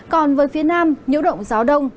còn với phía nam nhiễu động gió đông